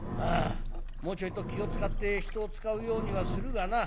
もうちょいと気を使って人を使うようにはするがな